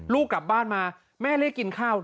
ลูกกลับบ้านมาแม่เรียกกินข้าว